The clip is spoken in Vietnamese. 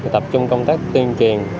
tập trung công tác tuyên truyền